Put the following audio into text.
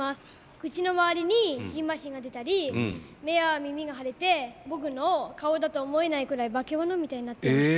口の周りに蕁麻疹が出たり目や耳が腫れて僕の顔だと思えないくらい化け物みたいになってました。